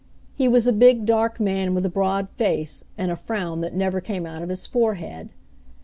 He was a big, dark man, with a broad face, and a frown that never came out of his forehead.